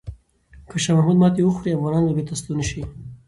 که شاه محمود ماتې وخوري، افغانان به بیرته ستون شي.